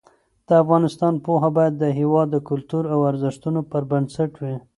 د افغانستان پوهه باید د هېواد د کلتور او ارزښتونو پر بنسټ وي.